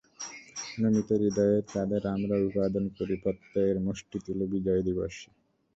নমিত হৃদয়ে তাঁদের আমরা অভিবাদন করি প্রত্যয়ের মুষ্টি তুলে বিজয় দিবসে।